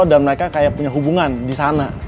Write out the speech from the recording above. dan mereka kayak punya hubungan disana